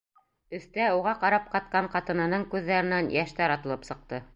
Өҫтә уға ҡарап ҡатҡан ҡатынының күҙҙәренән йәштәр атылып сыҡты.